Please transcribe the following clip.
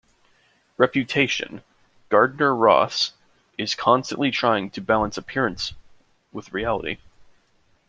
Reputation: Gardner Ross is constantly trying to balance appearances with reality.